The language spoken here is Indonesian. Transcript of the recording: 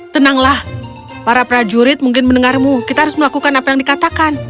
tenanglah para prajurit mungkin mendengarmu kita harus melakukan apa yang dikatakan